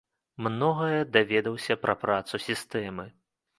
Многае даведаўся пра працу сістэмы.